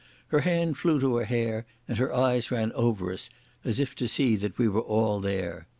Her hand flew to her hair, and her eyes ran over us as if to see that we were all there.